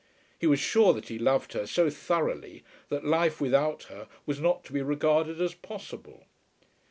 He was sure that he loved her so thoroughly that life without her was not to be regarded as possible.